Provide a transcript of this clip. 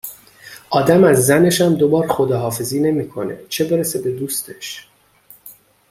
آدم از زنشم دوبار خداحافظی نمیکنه چه برسه به دوستش